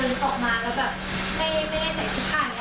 เดินออกมาแล้วแม่ใส่สีตาไว้นะคะ